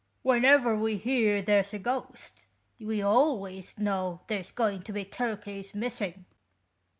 When ever we hear there's a ghost, we always know there's going to be turkeys missing."